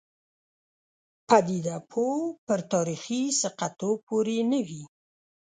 پدیده پوه پر تاریخي ثقه توب پورې نه وي.